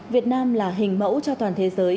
việt nam là hình mẫu cho toàn thế giới